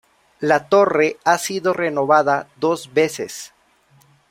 La torre ha sido renovada dos veces.